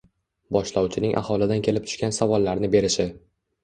Boshlovchining aholidan kelib tushgan savollarni berishi